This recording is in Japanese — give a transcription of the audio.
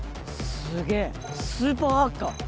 すげえスーパーハッカー